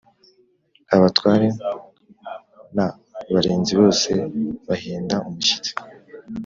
abatware n’barinzi bose bahinda umushyitsi.